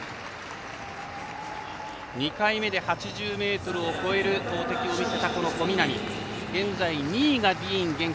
２回目で８０ｍを超える投てきを見せた小南。